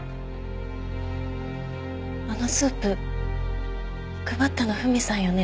あのスープ配ったのはフミさんよね？